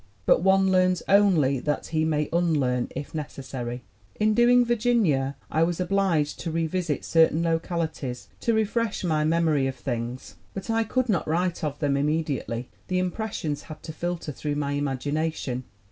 But one learns only that he may unlearn, if necessary. In doing Virginia I was obliged to revisit certain localities to refresh my memory of things. ELLEN GLASGOW 29 But I could not write of them immediately; the im pressions had to filter through my imagination.